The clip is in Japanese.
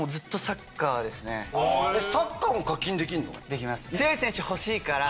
できます。